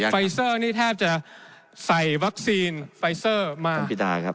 ไฟเซอร์นี้แทบจะใส่วัคซีนไฟเซอร์มา